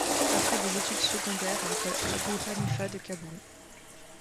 Après des études secondaires à l'école Abu Hanifa de Kaboul.